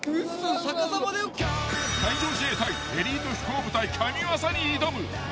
海上自衛隊エリート飛行部隊神技に挑む。